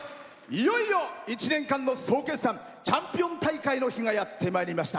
いよいよ１年間の総決算「チャンピオン大会」の日がやってまいりました。